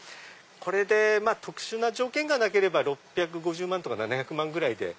これで特殊な条件がなければ６５０万とか７００万ぐらいで。